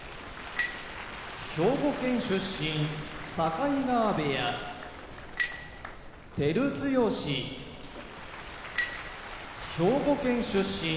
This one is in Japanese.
兵庫県出身境川部屋照強兵庫県出身